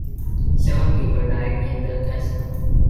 Seven people died in the casino.